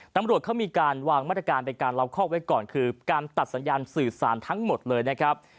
ตำรวจเขามีการวางมาตรการในการล็อกคอกไว้ก่อนคือการตัดสัญญาณสื่อสารทั้งหมดเลยนะครับ